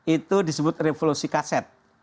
itu disebut revolusi kaset